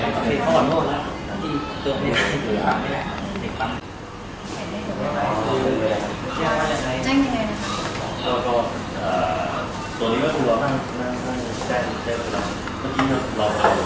สวัสดีครับสวัสดีครับ